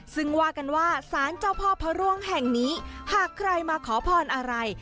ซึ่งว่ากันว่าสารเจ้าพ่อพระร่วงแห่งนี้หากใครมาขอพรอะไร